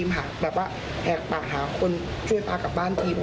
มารึไหนครับโฮสเทล